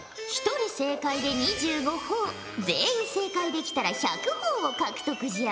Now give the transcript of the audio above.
１人正解で２５ほぉ全員正解できたら１００ほぉを獲得じゃ。